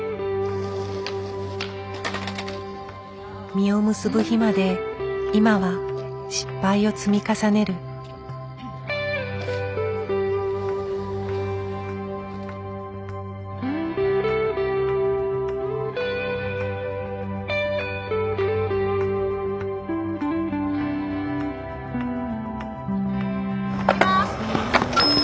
実を結ぶ日まで今は失敗を積み重ねる。いきます。